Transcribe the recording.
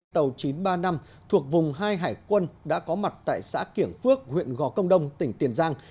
tàu chín trăm ba mươi năm thuộc vùng hai hải quân đã có mặt tại xã kiểng phước huyện gò công đông tỉnh tiền giang